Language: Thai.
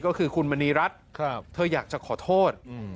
ก็คือคุณมณีรัฐเธออยากจะขอโทษ